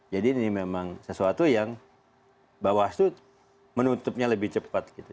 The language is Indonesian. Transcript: jadi ini memang sesuatu yang bahwa itu menutupnya lebih cepat gitu